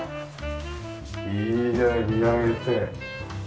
いいね見上げて。